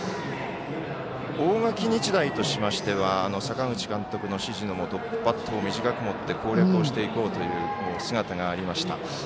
大垣日大としましては阪口監督の指示のもとバットを短く持って攻略していこうという姿がありました。